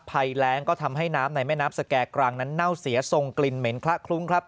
ภัยแรงก็ทำให้น้ำในแม่น้ำสแก่กลางนั้นเน่าเสียทรงกลิ่นเหม็นคละคลุ้งครับ